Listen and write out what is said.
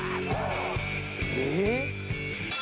えっ？